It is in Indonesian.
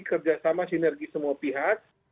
kerjasama sinergi semua pihak